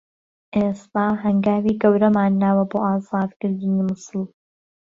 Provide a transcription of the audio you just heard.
ئێستا هەنگاوی گەورەمان ناوە بۆ ئازادکردنی موسڵ